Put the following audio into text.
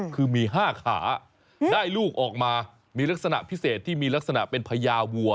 คือมี๕ขาได้ลูกออกมามีลักษณะพิเศษที่มีลักษณะเป็นพญาวัว